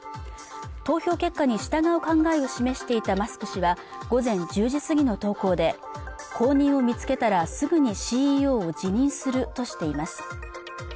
投票結果に従う考えを示していたマスク氏は午前１０時過ぎの投稿で後任を見つけたらすぐにＣＥＯを辞任するとしています